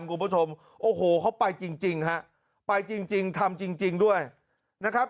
คุณผู้ชมโอ้โหเขาไปจริงฮะไปจริงทำจริงด้วยนะครับ